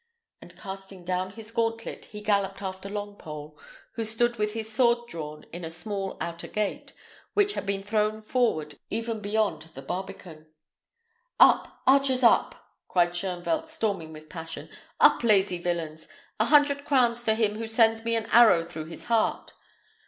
and casting down his gauntlet, he galloped after Longpole, who stood with his sword drawn in a small outer gate, which had been thrown forward even beyond the barbican. "Up! archers, up!" cried Shoenvelt, storming with passion; "up, lazy villains! A hundred crowns to him who sends me an arrow through his heart.